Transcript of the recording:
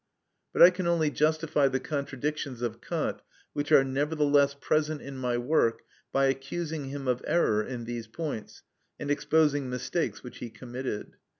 But I can only justify the contradictions of Kant which are nevertheless present in my work by accusing him of error in these points, and exposing mistakes which he committed.